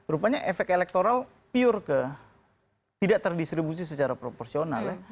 rupanya efek elektoral pure ke tidak terdistribusi secara proporsional ya